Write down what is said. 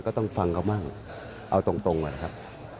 ก็ต้องฟังเขาบ้างเอาตรงนะครับ